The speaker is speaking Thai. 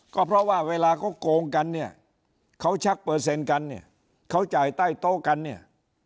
ก็เพราะว่าเวลาเขาโกงกันเนี่ยเขาชักเปอร์เซ็นต์กันเนี่ยเขาจ่ายใต้โต๊ะกันเนี่ย